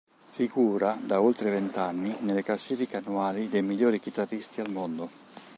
Figura da oltre vent'anni nelle classifiche annuali dei migliori chitarristi al mondo.